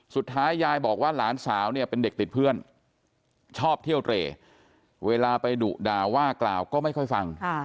สุดท้ายยายบอกว่าหลานสาวเนี่ยเป็นเด็กติดเพื่อนชอบเที่ยวเตรเวลาไปดุด่าว่ากล่าวก็ไม่ค่อยฟัง